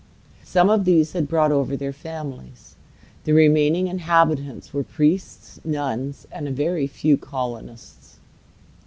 Some of these had brought over their families. The remaining inhabitants were priests, nuns, and a very few colonists.